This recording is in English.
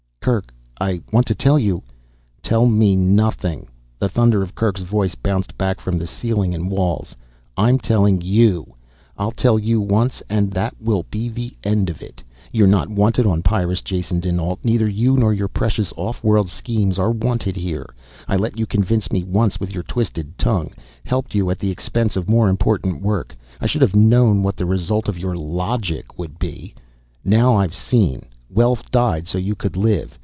"Kerk ... I want to tell you ..." "Tell me nothing!" The thunder of Kerk's voice bounced back from the ceiling and walls. "I'm telling you. I'll tell you once and that will be the end of it. You're not wanted on Pyrrus, Jason dinAlt, neither you nor your precious off world schemes are wanted here. I let you convince me once with your twisted tongue. Helped you at the expense of more important work. I should have known what the result of your 'logic' would be. Now I've seen. Welf died so you could live.